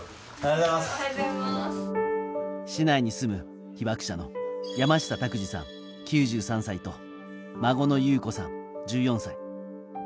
市内に住む被爆者の山下拓治さん、９３歳と孫の裕子さん、１４歳。